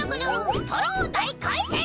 ストローだいかいてん！